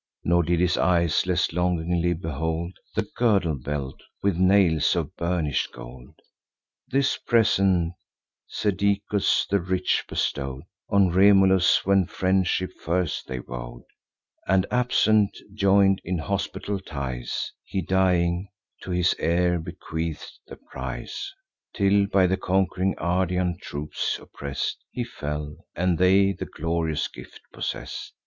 Nor did his eyes less longingly behold The girdle belt, with nails of burnish'd gold. This present Caedicus the rich bestow'd On Remulus, when friendship first they vow'd, And, absent, join'd in hospitable ties: He, dying, to his heir bequeath'd the prize; Till, by the conqu'ring Ardean troops oppress'd, He fell; and they the glorious gift possess'd.